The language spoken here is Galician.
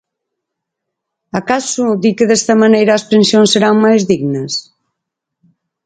Acaso di que desta maneira as pensións serán máis dignas?